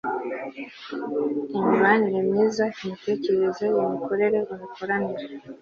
imibanire myiza, imitekerereze, imikorere, imikoranire